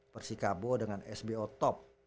persikabo dengan sbo top